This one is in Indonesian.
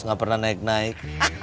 tidak pernah naik naik